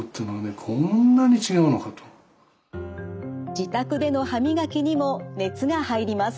自宅での歯磨きにも熱が入ります。